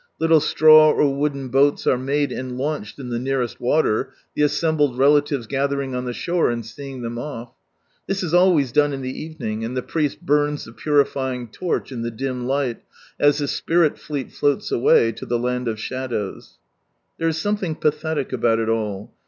Little straw or wooden boats are made and launched in the nearest water, the assembled rela tives gathering on the shore, and seeing them off. This is always ilone in the evening, and the priest burns the purifying torch in the dim light, as the spirit tleet floats away to the land of shadows. There is something pathetic about it all.